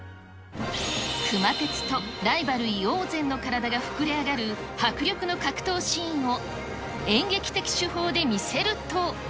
熊徹とライバル、猪王山の体が膨れ上がる迫力の格闘シーンを、演劇的手法で見せると。